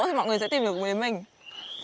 thì mọi người sẽ tìm được người mình